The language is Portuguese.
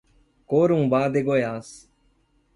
Corumbá de Goiás